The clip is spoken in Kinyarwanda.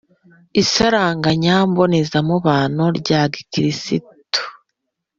isaranganya mbonezamubano rya gikirisitu,